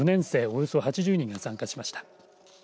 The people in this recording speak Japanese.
およそ８０人が参加しました。